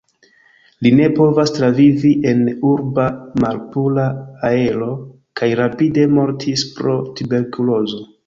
Li ne povas travivi en urba malpura aero kaj rapide mortis pro tuberkulozo.